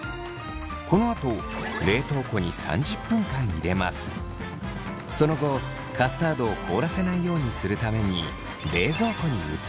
このあとその後カスタードを凍らせないようにするために冷蔵庫に移し３０分冷やせば完成です。